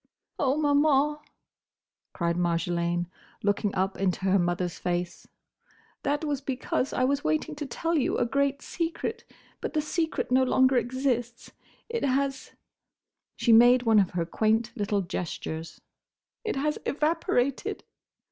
"Oh, Maman!" cried Marjolaine, looking up into her mother's face, "that was because I was waiting to tell you a great secret. But the secret no longer exists. It has"—she made one of her quaint little gestures—"it has—evaporated!"